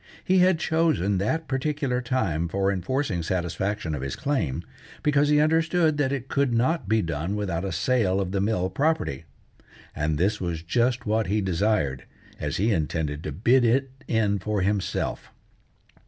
He had chosen that particular time for enforcing satisfaction of his claim, because he understood that it could not be done without a sale of the mill property; and this was just what he desired, as he intended to bid it in for himself.